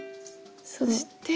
そして。